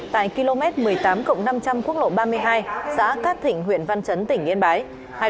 tại km một mươi tám cộng năm trăm linh quốc lộ ba mươi hai xã cát thịnh huyện văn chấn tỉnh yên bái